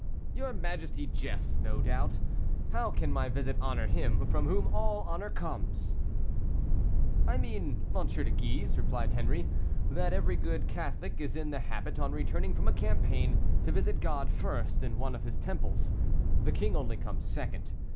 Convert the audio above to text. "Your majesty jests, no doubt. How can my visit honor him from whom all honor comes?" "I mean, M. de Guise," replied Henri, "that every good Catholic is in the habit, on returning from a campaign, to visit God first in one of his temple's the king only comes second.